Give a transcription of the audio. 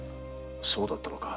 そうだったのか。